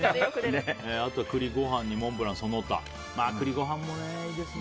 あとは栗ごはんにモンブランその他栗ごはんもいいですね。